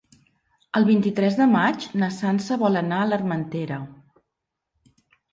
El vint-i-tres de maig na Sança vol anar a l'Armentera.